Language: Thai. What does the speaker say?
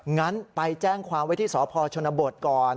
งั้นไปแจ้งความไว้ที่สพชนบทก่อน